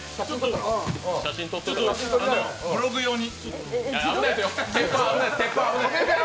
ブログ用に。